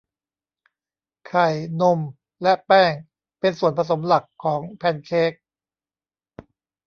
ไข่นมและแป้งเป็นส่วนผสมหลักของแพนเค้ก